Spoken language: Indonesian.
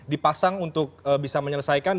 dipasang untuk bisa menyelesaikan